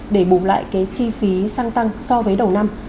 để bùm lại cái chi phí sang tăng so với đầu năm